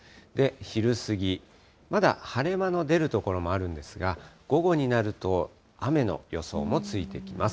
昼過ぎ、まだ晴れ間の出る所もあるんですが、午後になると、雨の予想もついてきます。